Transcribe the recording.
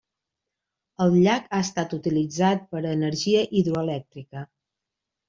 El llac ha estat utilitzat per a energia hidroelèctrica.